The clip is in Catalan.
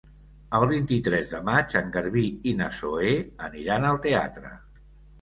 El vint-i-tres de maig en Garbí i na Zoè aniran al teatre.